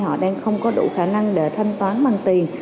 họ đang không có đủ khả năng để thanh toán bằng tiền